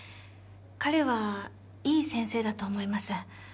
彼はいい先生だと思います。